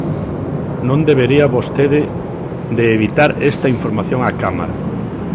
Non debería vostede de evitar esta información á Cámara.